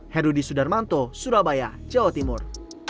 herudi sudarmanto surabaya jawa timur